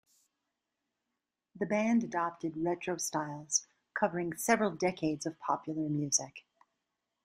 The band adopted retro styles covering several decades of popular music.